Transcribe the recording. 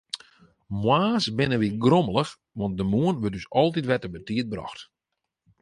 Moarns binne wy grommelich, want de moarn wurdt ús altyd wer te betiid brocht.